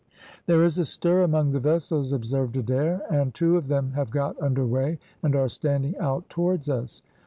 "There is a stir among the vessels," observed Adair, "and two of them have got under weigh, and are standing out towards us."